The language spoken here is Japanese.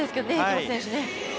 池本選手ね。